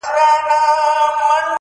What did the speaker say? که نن سبا یې غرغره کړمه نو څنګه به شي